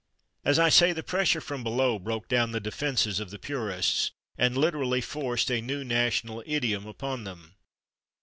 As I say, the pressure from below broke down the defenses of the purists, and literally forced a new national idiom upon them.